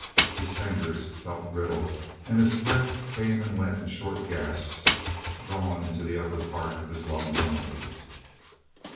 His fingers felt brittle, and his breath came and went in short gasps, drawn into the upper part of his lungs only.